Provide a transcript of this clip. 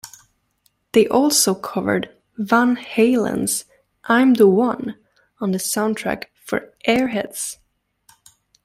They also covered Van Halen's "I'm the One" on the soundtrack for "Airheads".